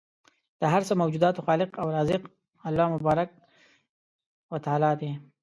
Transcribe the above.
د هر څه موجوداتو خالق او رازق الله تبارک و تعالی دی